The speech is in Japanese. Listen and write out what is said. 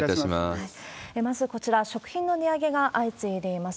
まずこちら、食品の値上げが相次いでいます。